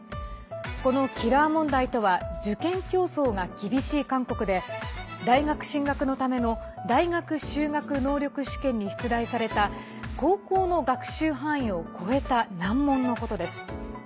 このキラー問題とは受験競争が厳しい問題で大学入試の試験に出題された高校の学習範囲を超えた難問のことです。